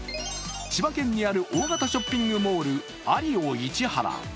千葉県にある大型ショッピングモール、アリオ市原。